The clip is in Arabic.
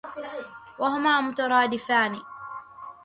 وَهُمَا مُتَرَادِفَانِ